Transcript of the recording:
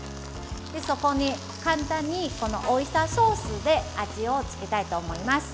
そこに簡単にオイスターソースで味をつけたいと思います。